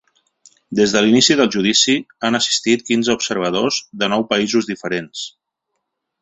Des de l’inici del judici, han assistit quinze observadors de nou països diferents.